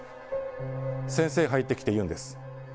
先生入ってきて、言うんです。